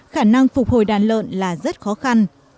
khả năng phục hồi đàn lợn là rất khó khăn